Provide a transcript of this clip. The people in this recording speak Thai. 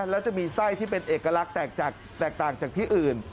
แล้วจะมีไส้ที่เป็นเอกลักษณ์แตกต่างจากที่อื่น